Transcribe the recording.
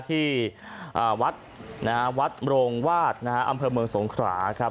ที่วัดนะฮะวัดโรงวาดนะฮะอำเภอเมืองสงขราครับ